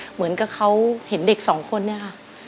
เหมือนกับเขาเห็นเด็กสองคนเนี่ยค่ะ